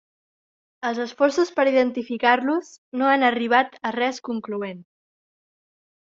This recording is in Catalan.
Els esforços per identificar-los no han arribat a res concloent.